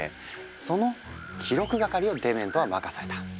その記録係をデメントは任された。